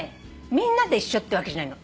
みんなで一緒ってわけじゃないの。